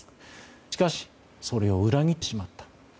しかしそれを裏切ってしまった。